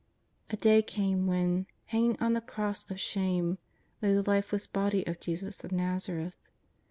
A day came when, hanging on the cross of shame, lay the lifeless body of Jesus of l^azareth.